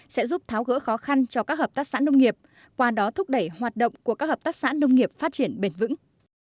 sẽ giúp tháo gỡ khó khăn cho các hợp tác xã nông nghiệp qua đó thúc đẩy hoạt động của các hợp tác xã nông nghiệp phát triển bền vững